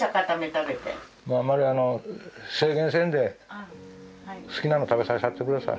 まああんまり制限せんで好きなの食べさせてやって下さい。